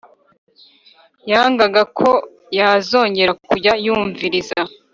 yangaga ko yazongera kujya yumviriza